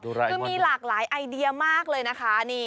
คือมีหลากหลายไอเดียมากเลยนะคะ